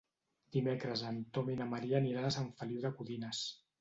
Dimecres en Tom i na Maria aniran a Sant Feliu de Codines.